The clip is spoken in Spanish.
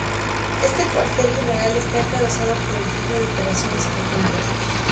Este cuartel general está encabezado por el jefe de Operaciones Conjuntas.